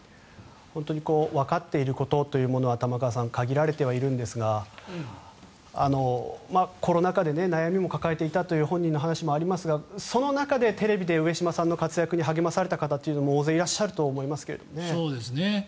本当にわかっていることというのは限られてはいるんですがコロナ禍で悩みも抱えていたという本人の話もありますが、その中でテレビで上島さんの活躍に励まされた方というのも大勢いらっしゃると思いますけどね。